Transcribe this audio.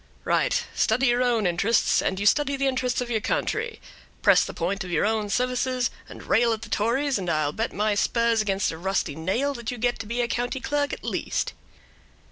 "Right; study your own interests, and you study the interests of your country; press the point of your own services, and rail at the Tories, and I'll bet my spurs against a rusty nail that you get to be a county clerk at least."